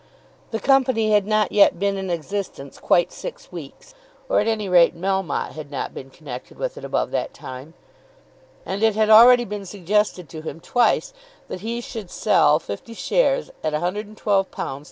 The Company had not yet been in existence quite six weeks, or at any rate Melmotte had not been connected with it above that time, and it had already been suggested to him twice that he should sell fifty shares at £112 10_s_.